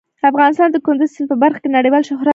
افغانستان د کندز سیند په برخه کې نړیوال شهرت لري.